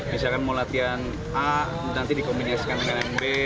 misalkan mau latihan a nanti dikombinasikan dengan b